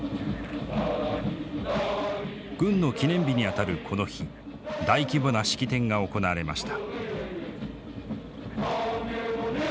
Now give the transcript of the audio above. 軍の記念日にあたるこの日大規模な式典が行われました。